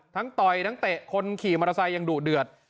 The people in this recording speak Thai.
ต่อยทั้งเตะคนขี่มอเตอร์ไซค์ยังดุเดือด